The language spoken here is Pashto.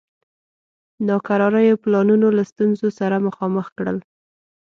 ناکراریو پلانونه له ستونزو سره مخامخ کړل.